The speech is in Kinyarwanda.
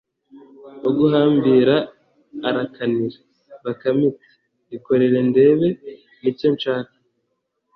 uguhambira arakanira. bakame iti ikorere ndebe ni cyo nshaka